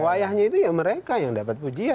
wayahnya itu ya mereka yang dapat pujian